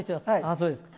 そうですか。